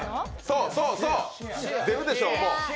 出るでしょう、もう。